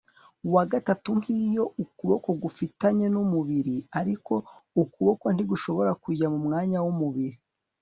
wa gatatu nk'iyo ukuboko gufitanye n'umubiri; ariko ukuboko ntigushobora kujya mu mwanya w'umubiri